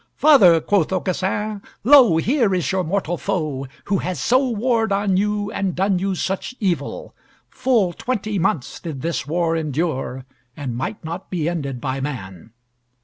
"Father," quoth Aucassin, "lo, here is your mortal foe, who hath so warred on you and done you such evil. Full twenty months did this war endure, and might not be ended by man."